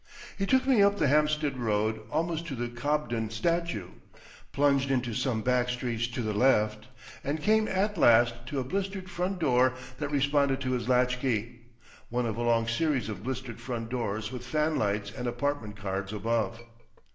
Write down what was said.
He took me up the Hampstead Road almost to the Cobden statue, plunged into some back streets to the left, and came at last to a blistered front door that responded to his latch key, one of a long series of blistered front doors with fanlights and apartment cards above.